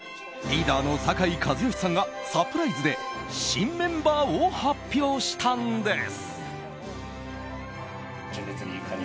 リーダーの酒井一圭さんがサプライズで新メンバーを発表したんです。